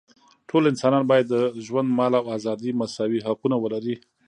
ټول انسانان باید د ژوند، مال او ازادۍ مساوي حقونه ولري.